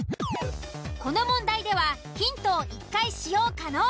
この問題ではヒントを１回使用可能。